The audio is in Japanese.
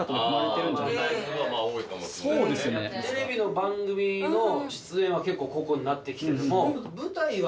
テレビの番組の出演は結構個々になって来てても。